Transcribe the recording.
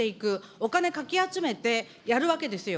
お金かき集めてやるわけですよ。